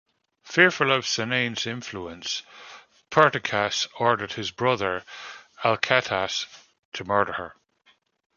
Fearful of Cynane's influence, Perdiccas ordered his brother Alcetas to murder her.